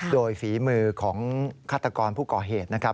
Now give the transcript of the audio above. โดยฝีมือของฆาตกรผู้ก่อเหตุนะครับ